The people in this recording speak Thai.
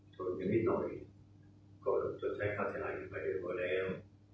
ชนยังไม่น้อยชนใช้ฆาตแหล่งไปเรื่องก่อนแล้ว